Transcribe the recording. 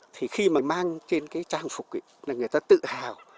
thì khi mà mang trên cái trang phục là người ta tự hào